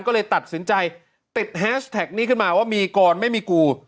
ก็เลยตัดสินใจติดแฮชแท็กนี้ขึ้นมาว่ามีกรไม่มีกู